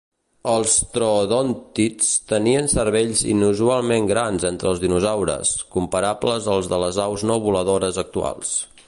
Els troodòntids tenien cervells inusualment grans entre els dinosaures, comparables als de les aus no voladores actuals.